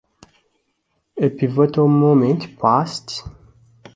A pivotal moment passed.